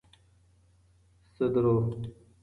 سدرو